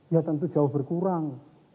ya tentu jauh berkurang